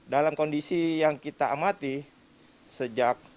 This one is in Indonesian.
dalam kondisi yang kita amati sejak dua ribu dua puluh sampai terakhir kemarin